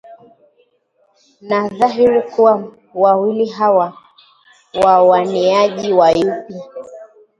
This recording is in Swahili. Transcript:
Ni dhahiri kuwa, wawili hawa, wawaniaji wa yupi